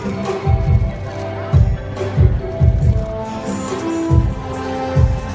สโลแมคริปราบาล